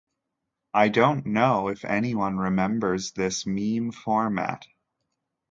I don't know if anyone remembers this meme format.